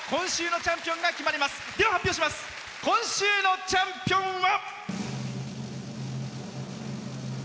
今週のチャンピオンは。